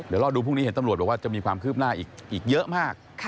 เดี๋ยวรอดูพรุ่งนี้เห็นตำรวจบอกว่าจะมีความคืบหน้าอีกเยอะมาก